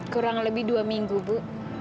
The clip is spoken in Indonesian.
kurang lebih dua minggu bu